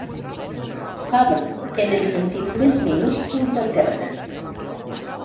Cabra en el sentit més minúscul del terme.